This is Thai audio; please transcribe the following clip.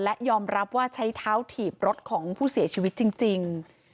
และยอมรับว่าใช้เท้าถีบรถของผู้เสียชีวิตจริง